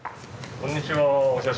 こんにちは。